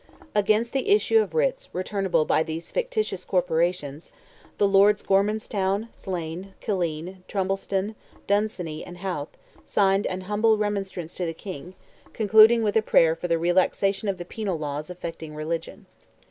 Against the issue of writs returnable by these fictitious corporations, the Lords Gormanstown, Slane, Killeen, Trimbleston, Dunsany, and Howth, signed an humble remonstrance to the King, concluding with a prayer for the relaxation of the penal laws affecting religion.